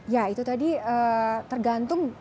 ya itu tadi tergantung